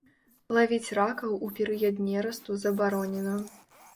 Лавіць ракаў у перыяд нерасту забаронена.